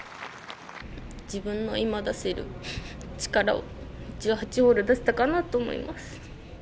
自分の今出せる力を１８ホール出せたかなと思います。